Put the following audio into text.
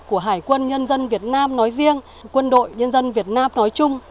của hải quân nhân dân việt nam nói riêng quân đội nhân dân việt nam nói chung